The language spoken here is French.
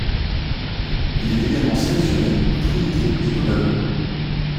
Il est également sélectionné pour Trinité-et-Tobago.